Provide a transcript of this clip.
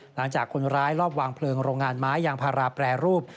หลังจากคนร้ายรอบวางเพลิงโรงงานไม้ยางพาราแปรรูป